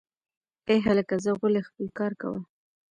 ای هلکه ځه غولی خپل کار کوه